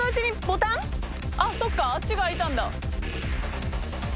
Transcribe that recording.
あっそっかあっちが空いたんだ。